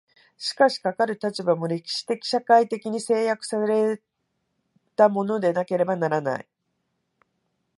しかしかかる立場も、歴史的社会的に制約せられたものでなければならない。